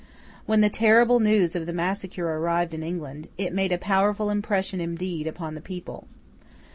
When the terrible news of the massacre arrived in England, it made a powerful impression indeed upon the people.